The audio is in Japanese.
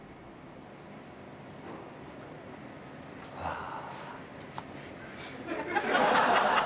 ああ。